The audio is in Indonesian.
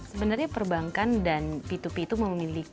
sebenarnya perbankan dan p dua p itu memiliki konsumennya masing masing